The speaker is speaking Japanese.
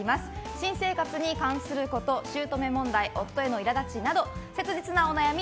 新生活に関すること、姑問題夫への苛立ちなど切実なお悩み